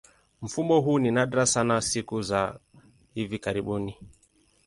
Mfumo huu ni nadra sana siku za hivi karibuni.